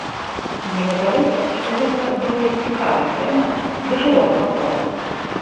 Мне падалося, што гэта досыць цікавая тэма, для шырокага кола.